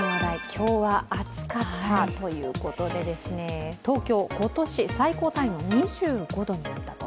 今日は暑かったということで東京、今年最高タイの２５度になったと。